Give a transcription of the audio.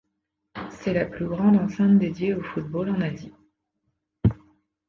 C'est la plus grande enceinte dédiée au football en Asie.